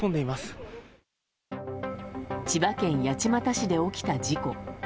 千葉県八街市で起きた事故。